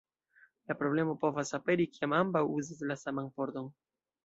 La problemo povas aperi kiam ambaŭ uzas la saman pordon.